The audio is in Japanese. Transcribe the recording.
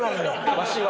わしは。